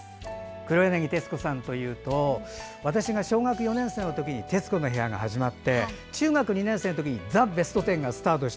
黒柳徹子さんというと私が小学４年生の時に「徹子の部屋」が始まって中学２年生の時に「ザ・ベストテン」がスタート。